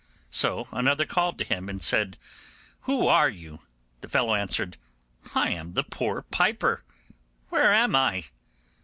So another called to him and said, 'Who are you?' The fellow answered, 'I am the poor piper. Where am I?